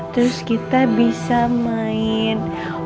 terus kita bisa main